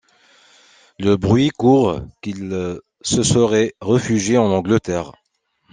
Le bruit court qu'il se serait réfugié en Angleterre.